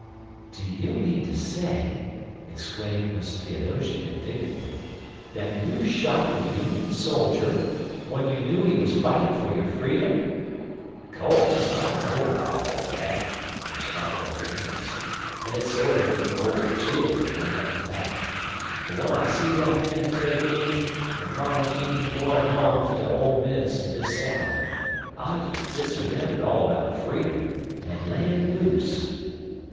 "Do you mean to say," exclaimed Miss Theodosia, indignantly, "that you shot the Union soldier, when you knew he was fighting for your freedom?" "Co'se, I know all about dat," responded Uncle Remus, "en it sorter made col' chills run up my back; but w'en I see dat man take aim, en Mars Jeems gwine home ter Ole Miss en Miss Sally, I des disremembered all 'bout freedom en lammed aloose.